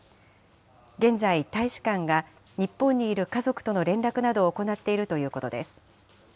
現在、大使館が日本にいる家族との連絡などを行っているということです。